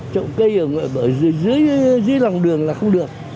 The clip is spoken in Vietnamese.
chậu cây ở dưới lòng đường là không được